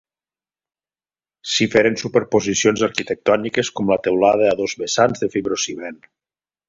S'hi feren superposicions arquitectòniques com la teulada a dos vessants de fibrociment.